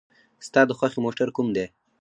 ستا د خوښې موټر کوم دی؟